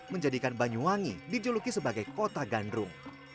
menjadikan banyuwangi dijuluki sebagai kota gandrung